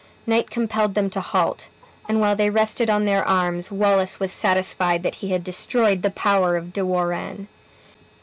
Night compelled them to halt, and while they rested on their arms, Wallace was satisfied that he had destroyed the power of De Warenne.